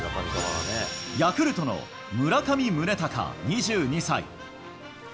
ヤクルトの村上宗隆２２歳。